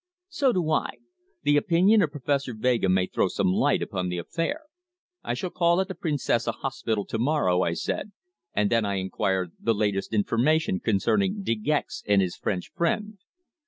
"So do I. The opinion of Professor Vega may throw some light upon the affair." "I shall call at the Princesa Hospital to morrow," I said, and then I inquired the latest information concerning De Gex and his French friend.